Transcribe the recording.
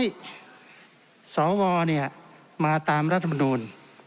อย่างน้อยสวเนี่ยมาตามรัฐบนูล